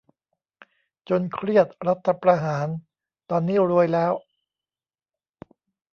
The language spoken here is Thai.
"จน เครียด รัฐประหาร" ตอนนี้รวยแล้ว